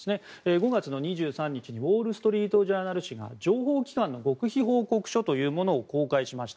５月の２３日のウォール・ストリート・ジャーナル紙が情報機関の極秘報告書を公開しました。